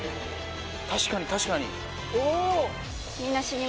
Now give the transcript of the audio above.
確かに確かにおお！